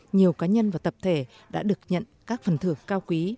nhiều cá nhân và tập thể đã được nhận các phần thưởng cao quý